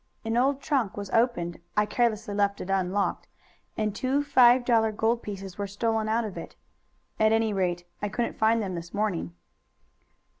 "An old trunk was opened I carelessly left it unlocked and two five dollar gold pieces were stolen out of it. At any rate, I couldn't find them this morning."